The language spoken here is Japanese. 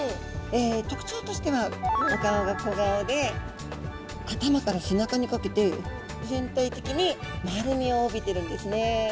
え特徴としてはお顔が小顔で頭から背中にかけて全体的に丸みを帯びてるんですね。